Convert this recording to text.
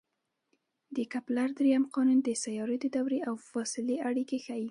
د کپلر درېیم قانون د سیارو د دورې او فاصلې اړیکې ښيي.